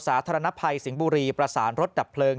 สาธารณภัยสิงห์บุรีประสานรถดับเพลิง